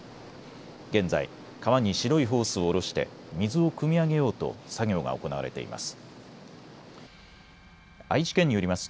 現在、川に白いホースを下ろして水をくみ上げようと作業が行われています。